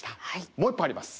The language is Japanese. もう一本あります。